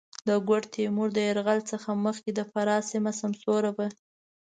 د ګوډ تېمور د یرغل څخه مخکې د فراه سېمه سمسوره وه.